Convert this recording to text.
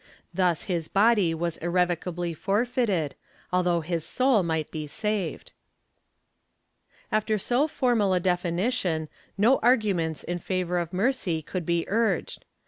^ Thus his body was irrevocably for feited, although his soul might be saved. After so formal a definition, no arguments in favor of mercy could be urged.